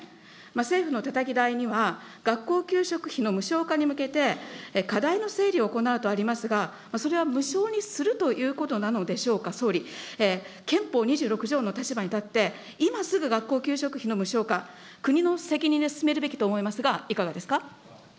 政府のたたき台には、学校給食費の無償化に向けて課題の整理を行うとありますが、それは無償にするということなのでしょうか、総理、憲法２６条の立場に立って、今すぐ学校給食費の無償化、国の責任で進めるべきと思いますが、いかがですか。